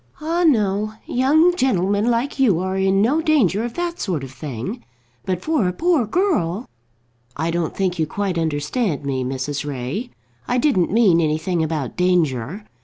"Ah, no. Young gentlemen like you are in no danger of that sort of thing. But for a poor girl " "I don't think you quite understand me, Mrs. Ray. I didn't mean anything about danger.